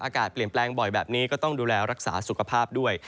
อากาศเปลี่ยนแปลงบ่อยแบบนี้ก็ต้องดูแลรักษาสุขภาพด้วย